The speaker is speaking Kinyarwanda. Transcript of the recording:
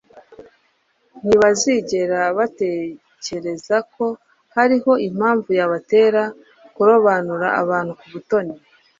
ntibazigera batekereza ko hariho impamvu yabatera kurobanura abantu ku butoni;